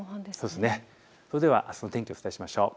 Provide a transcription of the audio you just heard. それではあすの天気、お伝えしましょう。